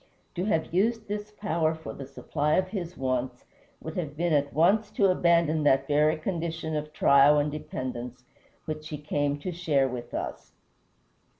To have used this power for the supply of his wants would have been at once to abandon that very condition of trial and dependence which he came to share with us.